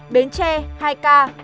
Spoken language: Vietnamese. bến tre hai ca